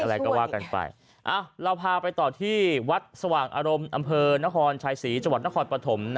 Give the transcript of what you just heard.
อะไรก็ว่ากันไปเราพาไปต่อที่วัดสว่างอารมณ์อำเภอนครชายศรีจังหวัดนครปฐม